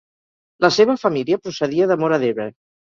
La seva família procedia de Móra d'Ebre.